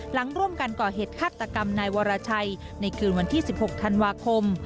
หลังร่วมกันก่อเหตุฆาตกรรมนายวรชัยในคืนวันที่๑๖ธันวาคม